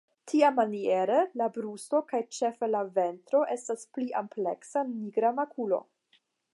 Tiamaniere la brusto kaj ĉefe la ventro estas pli ampleksa nigra makulo.